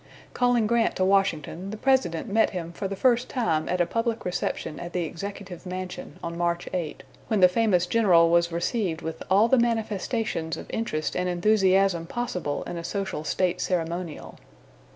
Calling Grant to Washington, the President met him for the first time at a public reception at the Executive Mansion on March 8, when the famous general was received with all the manifestations of interest and enthusiasm possible in a social state ceremonial.